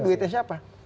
itu duitnya siapa